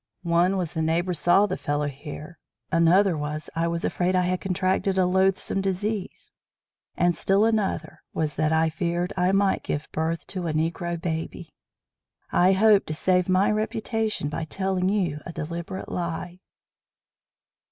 One was the neighbors saw the fellows here, another was, I was afraid I had contracted a loathsome disease, and still another was that I feared I might give birth to a Negro baby. I hoped to save my reputation by telling you a deliberate lie."